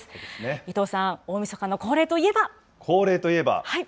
伊藤さん、大みそかの恒例といえば。